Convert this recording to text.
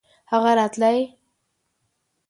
هغه راتلی .